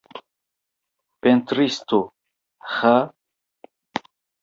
Pentristo, ĥa!..